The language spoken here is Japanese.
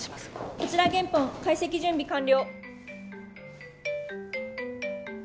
・こちらゲンポン解析準備完了